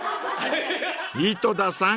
［井戸田さん